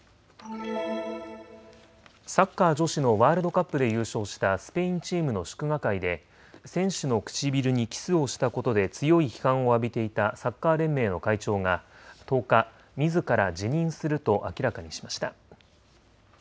サッカー女子のワールドカップで優勝したスペインチームの祝賀会で選手の唇にキスをしたことで強い批判を浴びていたサッカー連盟の会長が１０日、みずから辞任すると明らかにしました。